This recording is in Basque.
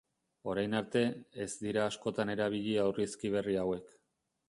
Orain arte, ez dira askotan erabili aurrizki berri hauek.